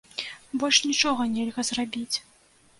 Больш нічога нельга зрабіць.